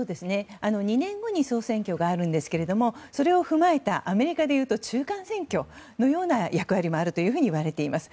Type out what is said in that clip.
２年後に総選挙があるんですがそれを踏まえたアメリカでいうと中間選挙のような役割もあるといわれています。